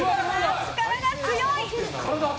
力が強い！